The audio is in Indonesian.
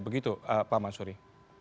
begitu pak mansuri